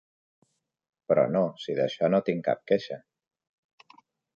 Però no, si d'això no tinc cap queixa.